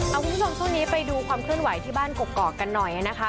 เอาคุณผู้ชมช่วงนี้ไปดูความเคลื่อนไหวที่บ้านกกอกกันหน่อยนะคะ